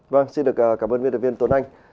vâng xin được cảm ơn viên thủ tướng tuấn anh